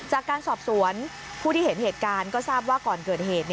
จากการสอบสวนผู้ที่เห็นเหตุการณ์ก็ทราบว่าก่อนเกิดเหตุ